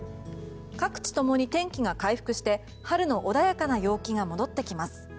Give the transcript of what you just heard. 各地ともに天気が回復して春の穏やかな陽気が戻ってきます。